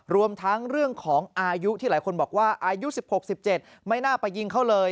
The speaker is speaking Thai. รวมทั้งเรื่องของอายุที่หลายคนบอกว่าอายุ๑๖๑๗ไม่น่าไปยิงเขาเลย